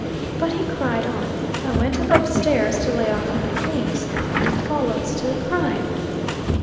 But he cried on. I went up stairs to lay off my things, and he followed, still crying.